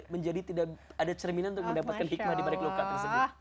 menjadi tidak ada cerminan untuk mendapatkan hikmah dibalik luka tersebut